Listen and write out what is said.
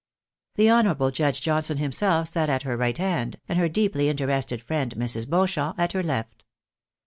The honourable Judge Johnson himself sat at her right hand, and her deeply interested friend, Mrs. Beauchamp, at her left.